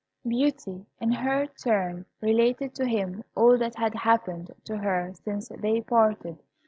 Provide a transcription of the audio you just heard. Beauty, in her turn, related to him all that had happened to her since they parted.